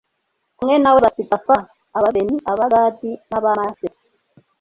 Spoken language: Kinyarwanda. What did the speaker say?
kumwe na we basiga f Abarubeni Abagadi n Abamanase